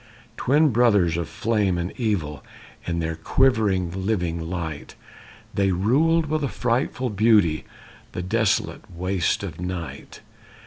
Twin brothers of flame and evil, In their quivering living light, They ruled with a frightful beauty The desolate waste of night.